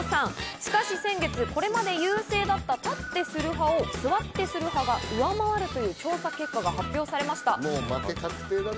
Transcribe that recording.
しかし先月、これまで優勢だった立ってする派を、座ってする派が上回るという調査結果が発表されもう負け確定だね。